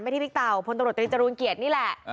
ที่บิ๊กเต่าพลตำรวจตรีจรูนเกียรตินี่แหละ